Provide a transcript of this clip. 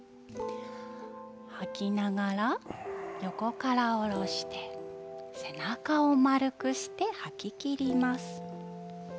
吐きながら、横から下ろして背中を丸くして吐ききります。